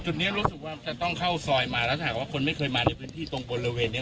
นี้รู้สึกว่าจะต้องเข้าซอยมาแล้วถ้าหากว่าคนไม่เคยมาในพื้นที่ตรงบริเวณนี้